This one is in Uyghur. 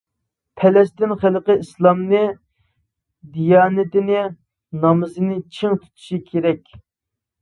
پەلەستىن خەلقى ئىسلامنى، دىيانىتىنى، نامىزىنى چىڭ تۇتۇشى كېرەك.